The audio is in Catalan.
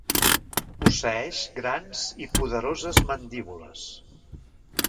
Posseeix grans i poderoses mandíbules.